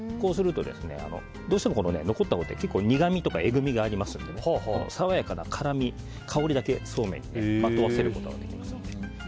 どうしても残ったほうって苦みとかえぐみがありますので爽やかな辛み、香りだけそうめんにまとわせることができます。